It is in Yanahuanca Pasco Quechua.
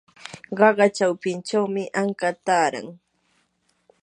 qaqa chawpinchawmi anka taaran.